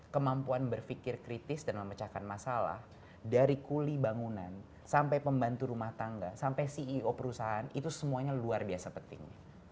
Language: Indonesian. kemampuan berpikir kritis dan memecahkan masalah dari kuli bangunan sampai pembantu rumah tangga sampai ceo perusahaan itu semuanya luar biasa penting